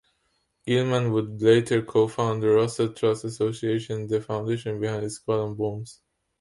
Gilman would later co-found the Russell Trust Association, the foundation behind Skull and Bones.